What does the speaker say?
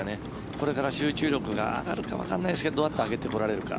これから集中力があるかわからないですがどうやって上げてこられるか。